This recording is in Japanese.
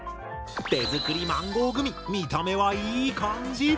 手作りマンゴーグミ見た目はいい感じ！